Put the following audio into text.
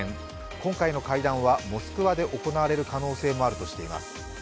今回の会談はモスクワで行われる可能性もあるとしています。